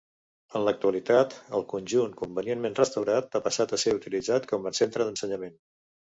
En l'actualitat, el conjunt convenientment restaurat, ha passat a ser utilitzat com a centre d'ensenyament.